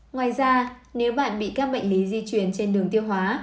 ngoài ra nếu bạn bị các bệnh lý di chuyển trên đường tiêu hóa